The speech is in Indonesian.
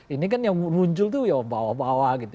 ini kan yang muncul tuh ya bawah bawah gitu